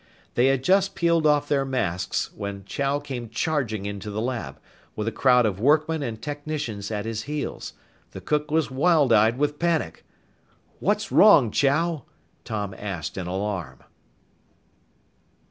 They had just peeled off their masks when Chow came charging into the lab, with a crowd of workmen and technicians at his heels. The cook was wild eyed with panic. "What's wrong, Chow?" Tom asked in alarm.